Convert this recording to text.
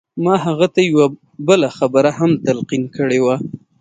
ما هغه ته يوه بله خبره هم تلقين کړې وه.